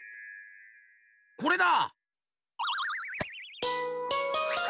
これだ！